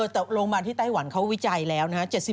แต่ลงมาที่ไต้หวันเขาวิจัยแล้ว๗๘